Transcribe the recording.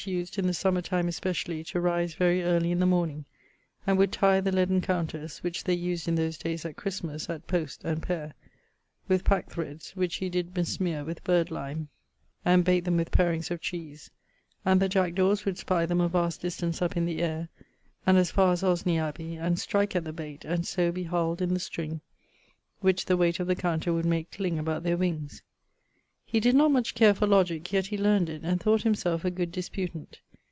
used, in the summer time especially, to rise very early in the morning, and would tye the leaden counters (which they used in those dayes at Christmas, at post and payre) with pacthreds, which he did besmere with birdlime, and bayte them with parings of cheese, and the jack dawes would spye them a vast distance up in the aire[XCIX.] and as far as Osney abbey, and strike at the bayte, and so be harled in the string, which the wayte of the counter would make cling about ther wings. He did not much care for logick, yet he learnd it, and thought himselfe a good disputant.